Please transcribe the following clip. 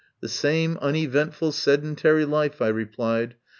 "The same uneventful sedentary life," I re plied.